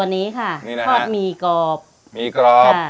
หมี่กรอบ